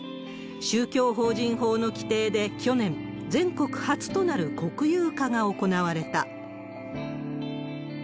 宗教法人法の規定で去年、全国初となる国有化が行われた。